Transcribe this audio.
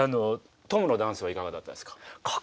トムのダンスはいかがだったですか？